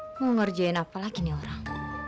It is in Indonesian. aku mau ngerjain apa lagi nih orang